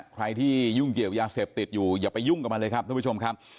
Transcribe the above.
ใครที่ยุ่งเกี่ยวยาเสพติดอยู่อย่าไปยุ่งกับมันเลยครับท่านผู้ชมครับ